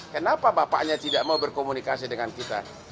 kenapa bapaknya tidak mau berkomunikasi dengan kita